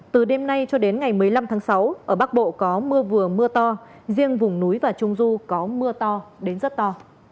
từ đêm nay cho đến ngày một mươi năm tháng sáu ở bắc bộ có mưa vừa mưa to riêng vùng núi và trung du có mưa to đến rất to